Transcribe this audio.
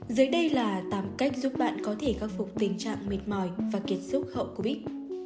dưới đây là tám cách giúp bạn có thể khắc phục tình trạng mệt mỏi và kiệt sức hậu covid